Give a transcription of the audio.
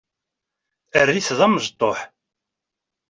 Err-it d amecṭuḥ.